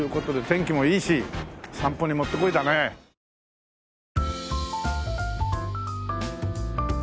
天気もいいし散歩にもってこいだね。